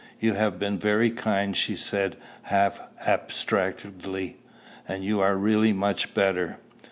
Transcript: "You have been very kind," she said, half abstractedly. "And you are really much better.